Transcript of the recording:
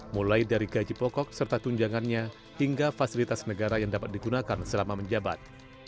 mulai dari gaji pokok serta tunjangannya hingga fasilitas negara yang dapat digunakan selama menjabat